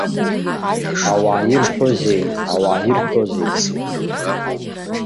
Ауаа ирҳәозеи, ауаа ирҳәозеи?